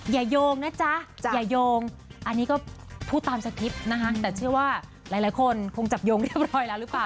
โยงนะจ๊ะอย่าโยงอันนี้ก็พูดตามสคริปต์นะคะแต่เชื่อว่าหลายคนคงจับโยงเรียบร้อยแล้วหรือเปล่า